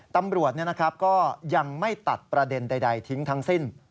ตำรวจก็ยังไม่ตัดประเด็นใดทิ้งทั้งสิ้น